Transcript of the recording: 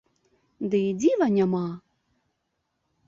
Ды і дзіва няма!